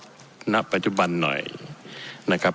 ท่านเบญจากับเอาเข้าณปัจจุบันหน่อยนะครับ